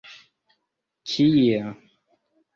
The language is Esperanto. kia